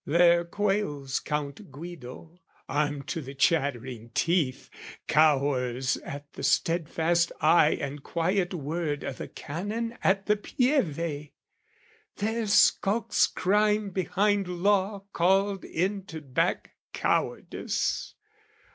There quails Count Guido, armed to the chattering teeth, Cowers at the steadfast eye and quiet word O' the Canon at the Pieve! There skulks crime Behind law called in to back cowardice!